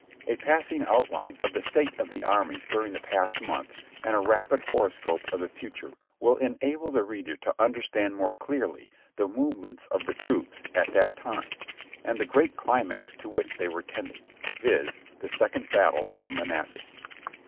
,•,. A passing outline of the state of the armies during the past month, and a rapid horoscope of the future, will enable the i eader to understand more clearly the movements of the troops at that time, and the grand climax to which they were tending, viz.. the Second Battle of Manassas.